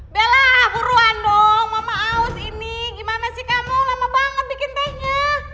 bela buruan dong mama aus ini gimana sih kamu lama banget bikin tehnya